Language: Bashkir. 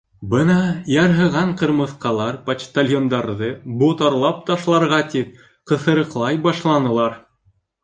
Бына ярһыған ҡырмыҫҡалар почтальондарҙы ботарлап ташларга тип, ҡыҫырыҡлай башланылар.